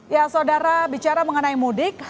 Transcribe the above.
ya saudara bicara mengenai mudik